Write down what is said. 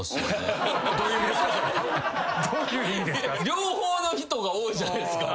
両方の人が多いじゃないですか。